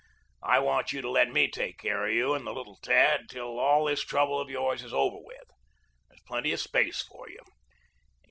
I want you to let me take care of you and the little tad till all this trouble of yours is over with. There's plenty of place for you.